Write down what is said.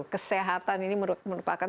kesehatan ini merupakan